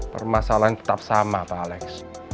permasalahan tetap sama pak alex